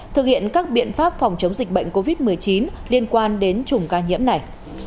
thực hiện các biện pháp phòng chống dịch bệnh covid một mươi chín liên quan đến chủng ca nhiễm này